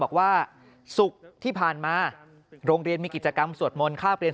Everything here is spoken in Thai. บอกว่าศุกร์ที่ผ่านมาโรงเรียนมีกิจกรรมสวดมนต์ค่าเรียน